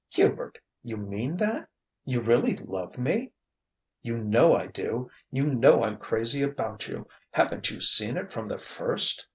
"Hubert! You mean that? You really love me?" "You know I do. You know I'm crazy about you. Haven't you seen it from the first?"